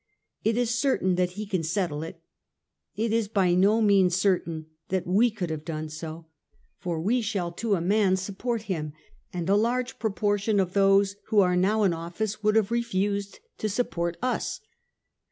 It is certain that he can settle it. It is by no means certain that we could have done so. For we shall to a man support him ; and a large proportion of those who are now in office would have refused to support us.